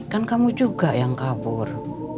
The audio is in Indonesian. kan kamu juga yang kabur